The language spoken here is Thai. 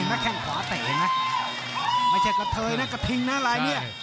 นี่มักแข่งขวาเตะเองนะไม่ใช่กระเทยนะกระทิงนะอะไรเนี้ย